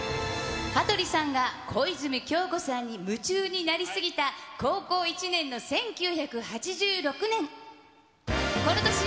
羽鳥さんが小泉今日子さんに夢中になりすぎた高校１年の１９８６年。